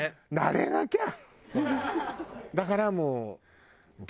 だからもう。